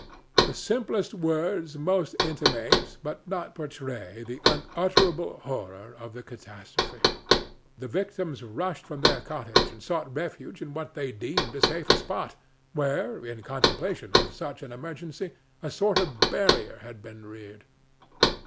The simplest words must intimate, but not portray, the unutterable horror of the catastrophe. The victims rushed from their cottage and sought refuge in what they deemed a safer spot, where, in contemplation of such an emergency, a sort of barrier had been reared.